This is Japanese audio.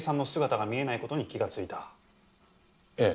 ええ。